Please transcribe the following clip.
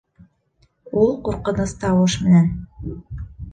Ул ҡурҡыныс тауыш менән: